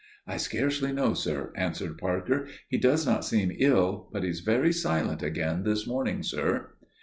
"I scarcely know, sir," answered Parker. "He does not seem ill, but he is very silent again this morning, sir."